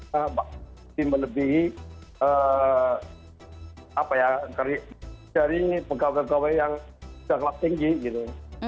kita mesti melebihi dari pegawai pegawai yang jangkak tinggi gitu